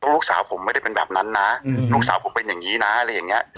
ลูกสาวผมไม่ได้เป็นแบบนั้นนะลูกสาวผมเป็นอย่างนี้นะอะไรอย่างนี้